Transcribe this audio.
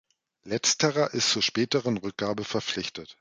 Letzterer ist zur späteren Rückgabe verpflichtet.